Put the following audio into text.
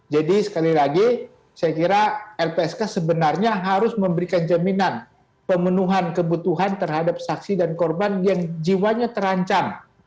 jadi sekali lagi saya kira lpsk sebenarnya harus memberikan jaminan pemenuhan kebutuhan terhadap saksi dan korban yang jiwanya terancam